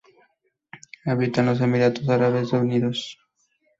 Habita en los Emiratos Árabes Unidos.